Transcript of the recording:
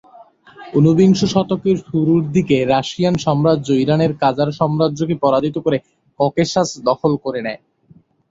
উনবিংশ শতকের শুরু দিকে রাশিয়ান সাম্রাজ্য ইরানের কাজার সাম্রাজ্যকে পরাজিত করে ককেশাস দখল করে নেয়।